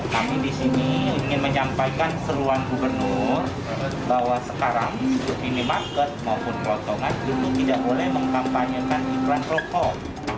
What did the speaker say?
kami di sini ingin menyampaikan seruan gubernur bahwa sekarang seperti minimarket maupun potongan itu tidak boleh mengkampanyekan iklan rokok